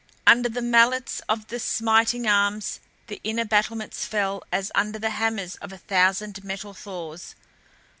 Under the mallets of the smiting arms the inner battlements fell as under the hammers of a thousand metal Thors.